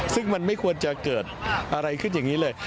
ซึ่งมันไม่ควรจะเกิดอะไรขึ้นอย่างนี้เลย